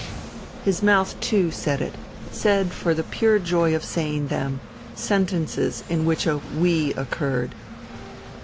His mouth too said it said, for the pure joy of saying them, sentences in which a "We" occurred.